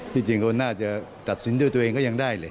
จริงก็น่าจะตัดสินด้วยตัวเองก็ยังได้เลย